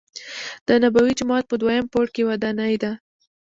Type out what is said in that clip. دنبوی جومات په دویم پوړ کې ودان دی.